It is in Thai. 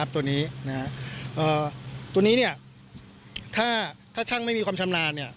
ตัวนี้ถ้าช่างไม่มีความชำนาญ